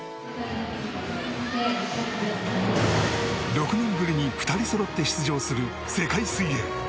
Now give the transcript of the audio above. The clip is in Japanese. ６年ぶりに２人そろって出場する世界水泳。